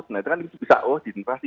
nah itu kan bisa oh diinvasi